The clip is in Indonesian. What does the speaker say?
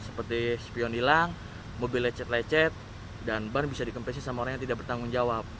seperti spion hilang mobil lecet lecet dan ban bisa dikompresi sama orang yang tidak bertanggung jawab